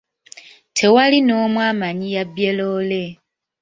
Tewali n'omu amanyi yabbye loole.